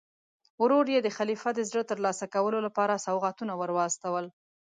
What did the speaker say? ورور یې د خلیفه د زړه ترلاسه کولو لپاره سوغاتونه ور واستول.